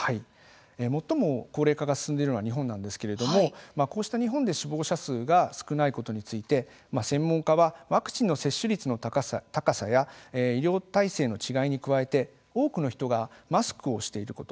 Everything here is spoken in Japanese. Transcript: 最も高齢化が進んでいるのは日本なんですけれどもこうした日本で死亡者数が少ないことについて専門家はワクチンの接種率の高さや医療体制の違いに加えて多くの人がマスクをしていること